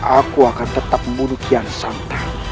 aku akan tetap membunuh kian santan